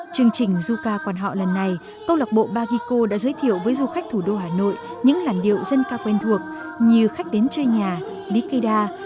chương trình du ca quan họ lần này công lạc bộ bagico đã giới thiệu với du khách thủ đô hà nội những làn điệu dân ca quen thuộc như khách đến chơi nhà ly cây đa